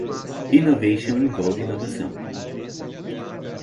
Innovation envolve inovação.